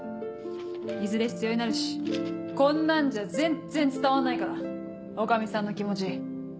いずれ必要になるしこんなんじゃ全然伝わんないから女将さんの気持ち。